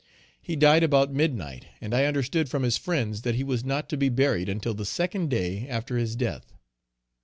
He died about midnight and I understood from his friends that he was not to be buried until the second day after his death.